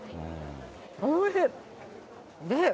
おいしい。